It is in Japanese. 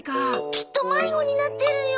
きっと迷子になってるよ。